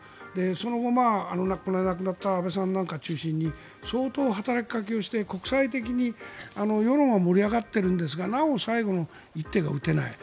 その後、亡くなった安倍さんなんかを中心に相当働きかけをして国際的に世論は盛り上がっているんですがなお最後の一手が打てない。